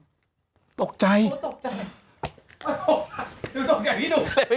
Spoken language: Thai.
ดูตกใจที่ดู